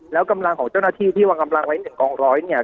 แล้วกำลังของเจ้าหน้าที่ที่วางกำลังไว้๑กองร้อยเนี่ย